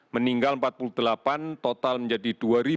meninggal empat puluh delapan total menjadi dua empat puluh delapan